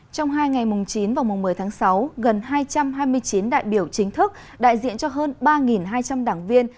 trong hai ngày mùng chín và mùng một mươi tháng sáu gần hai trăm hai mươi chín đại biểu chính thức đại diện cho hơn ba hai trăm linh đảng viên